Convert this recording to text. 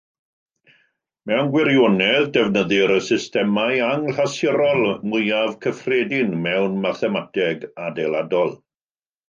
Mewn gwirionedd, defnyddir y systemau anghlasurol mwyaf cyffredin mewn mathemateg adeiladol.